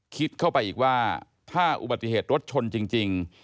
คิดเข้าไปอีกว่าถ้าอุบัติเหตุรถชนจริง